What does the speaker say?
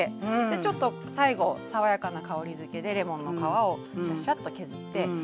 でちょっと最後爽やかな香りづけでレモンの皮をシャッシャッと削ってかける。